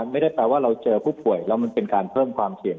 ไม่ได้แปลว่าเราเจอผู้ป่วยแล้วมันเป็นการเพิ่มความเสี่ยง